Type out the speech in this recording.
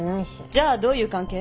じゃあどういう関係？